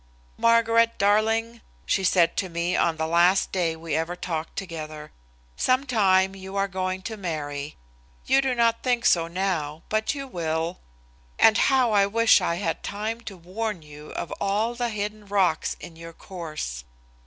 "Margaret, darling," she said to me on the last day we ever talked together, "some time you are going to marry you do not think so now, but you will and how I wish I had time to warn you of all the hidden rocks in your course!